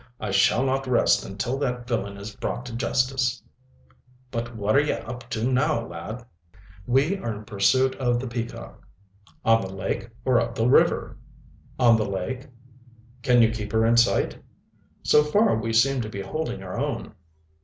I shall not rest until that villain is brought to justice. But what are ye up to now, lad?" "We are in pursuit of the Peacock." "On the lake or up the river?" "On the lake." "Can you keep her in sight?" "So far we seem to be holding our own."